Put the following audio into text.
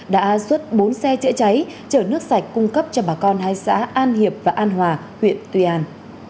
đã xuất bốn xe trái trái trở nước sạch cung cấp cho bà con hai xã an hiệp và an hòa huyện tuy an